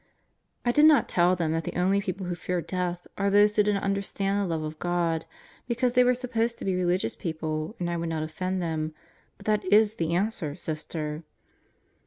I did not tell them that the only people who fear death are those who do not understand the love of God, because they were supposed to be religious people, and I would not offend them; but that w the answer, Sister.